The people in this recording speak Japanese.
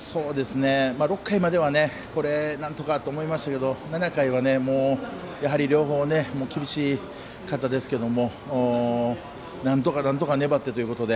６回まではなんとかと思いましたけど７回はもう両方厳しかったですけどなんとか、粘ってというところで。